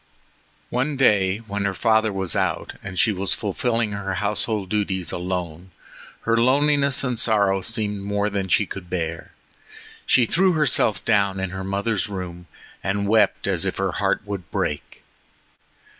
One day when her father was out, and she was fulfilling her household duties alone, her loneliness and sorrow seemed more than she could bear. She threw herself down in her mother's room and wept as if her heart would break.